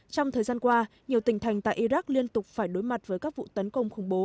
trong thời gian qua nhiều tỉnh thành tại iraq liên tục phải đối mặt với các vụ tấn công khủng bố